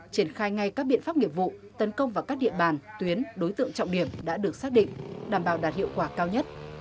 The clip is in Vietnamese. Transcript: triển khai ngay các biện pháp nghiệp vụ tấn công vào các địa bàn tuyến đối tượng trọng điểm đã được xác định đảm bảo đạt hiệu quả cao nhất